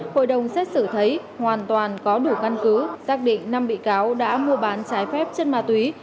hội đồng xét xử thấy hoàn toàn có đủ căn cứ xác định năm bị cáo đã mua bán trái phép chất ma túy